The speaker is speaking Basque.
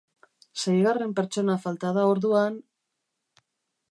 Seigarren pertsona falta da orduan...